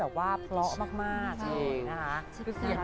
แล้วก็คอยให้กำลังใจว่า